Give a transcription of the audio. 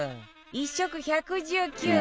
１食１１９円